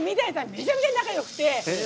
めちゃくちゃ仲よくて。